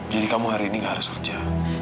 jadi kamu hari ini gak harus kerja